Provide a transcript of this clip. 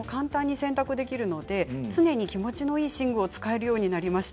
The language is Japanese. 寝袋も簡単に洗濯できるので常に気持ちのいい寝具を使えるようになりました。